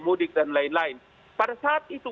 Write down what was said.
mudik dan lain lain pada saat itu